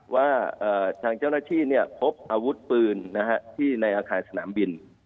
ว่าทางเจ้าหน้าที่พบอาวุธปืนที่ในอาคารสนามบิน